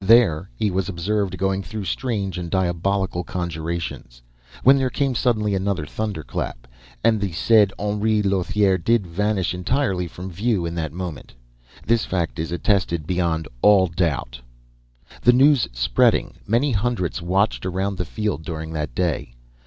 There he was observed going through strange and diabolical conjurations, when there came suddenly another thunderclap and the said Henri Lothiere did vanish entirely from view in that moment. This fact is attested beyond all doubt. "The news spreading, many hundreds watched around the field during that day.